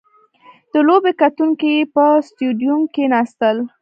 • د لوبې کتونکي په سټېډیوم کښېناستل.